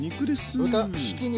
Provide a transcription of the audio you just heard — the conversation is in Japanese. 豚ひき肉。